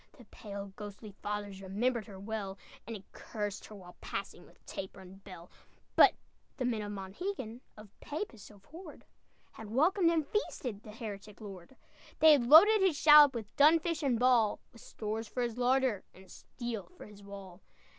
The pale, ghostly fathers Remembered her well, And had cursed her while passing, With taper and bell; But the men of Monhegan, Of Papists abhorred, Had welcomed and feasted The heretic Lord. They had loaded his shallop With dun fish and ball, With stores for his larder, And steel for his wall.